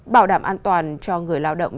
bảo đảm an toàn cho người lao động